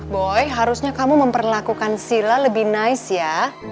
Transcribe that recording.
boy harusnya kamu memperlakukan sila lebih nice ya